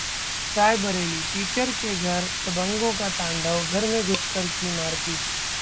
Raebareli: teacher के घर दबंगों का तांडव, घर में घुसकर की मारपीट